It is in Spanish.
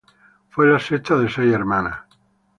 Fue la sexta de seis hermanas.